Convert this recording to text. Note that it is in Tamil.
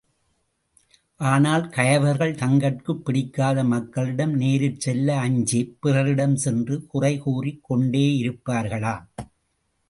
ஆனால் கயவர்கள் தங்கட்குப் பிடிக்காத மக்களிடம் நேரிற்செல்ல அஞ்சிப் பிறரிடஞ் சென்று குறைகூறிக் கொண்டேயிருப்பார்களாம்.